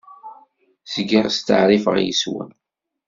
Zgiɣ steɛṛifeɣ yes-wen.